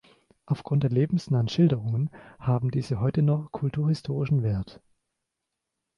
Aufgrund der lebensnahen Schilderungen haben diese heute noch kulturhistorischen Wert.